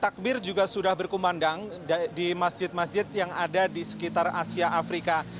takbir juga sudah berkumandang di masjid masjid yang ada di sekitar asia afrika